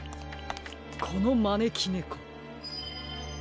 このまねきねこ。